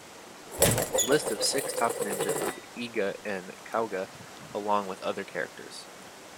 The list of six top ninja of Iga and Kouga, along with other characters.